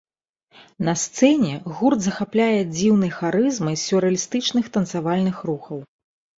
На сцэне гурт захапляе дзіўнай харызмай з сюррэалістычных танцавальных рухаў.